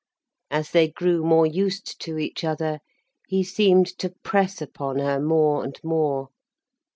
As they grew more used to each other, he seemed to press upon her more and more.